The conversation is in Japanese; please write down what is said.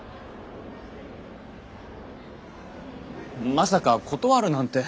まさか断るなんて。